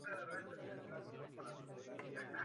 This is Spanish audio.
Es hijo del dramaturgo Lauro Olmo.